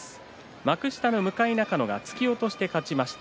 幕下の向中野が突き落としで勝ちました。